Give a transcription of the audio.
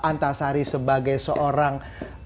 antasari sebagai seorang